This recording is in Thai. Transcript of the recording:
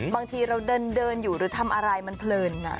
บางทีเราเดินอยู่หรือทำอะไรมันเพลิน